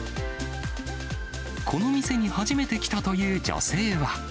この店に初めて来たという女性は。